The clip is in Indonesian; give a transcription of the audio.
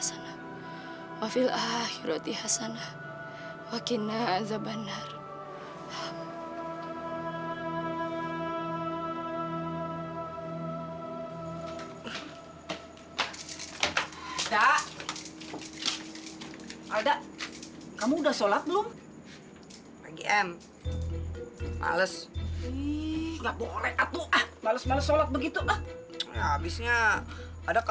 sampai jumpa di video selanjutnya